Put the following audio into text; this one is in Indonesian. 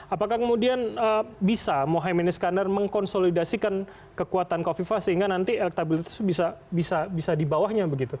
apakah kemudian bisa mohaimin iskandar mengkonsolidasikan kekuatan kofifa sehingga nanti elektabilitas bisa dibawahnya begitu